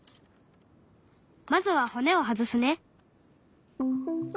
まずは骨を外すね。